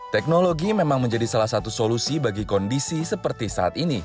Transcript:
teknologi memang menjadi salah satu solusi bagi kondisi seperti saat ini